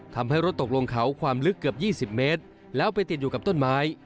ทำให้รถตกลงเขาความลึกเกือบ๒๐เมตรแล้วไปติดอยู่กับต้นไม้